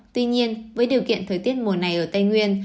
tuy nhiên với điều kiện thời tiết mùa này ở tây nguyên